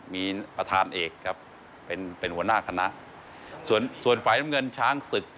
มีประธานเอกครับเป็นเป็นหัวหน้าคณะส่วนส่วนฝ่ายน้ำเงินช้างศึก